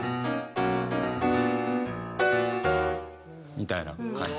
みたいな感じ。